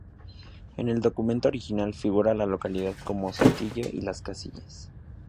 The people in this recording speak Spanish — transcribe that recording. En el documento original figura la localidad como Sotillo y las Casillas.